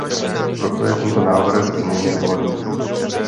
Proto je tento návrh změny vhodný.